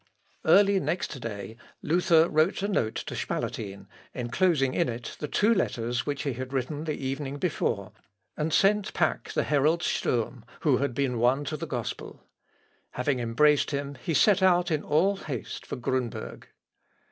Early next day, Luther wrote a note to Spalatin, enclosing in it the two letters which he had written the evening before, and sent back the herald Sturm, who had been won to the gospel. Having embraced him he set out in all haste for Grunberg.